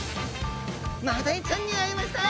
マダイちゃんに会えました！